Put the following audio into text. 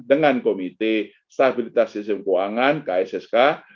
dengan komite stabilitas sistem keuangan kssk